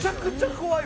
怖い。